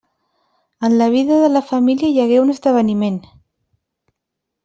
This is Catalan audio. En la vida de la família hi hagué un esdeveniment.